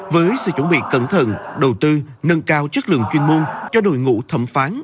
với sự chuẩn bị cẩn thận đầu tư nâng cao chất lượng chuyên môn cho đội ngũ thẩm phán